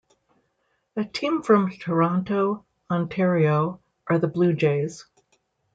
A team from Toronto, Ontario, are the Blue Jays.